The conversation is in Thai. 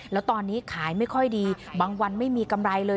แล้วตอนนี้ขายไม่ค่อยดีบางวันไม่มีกำไรเลย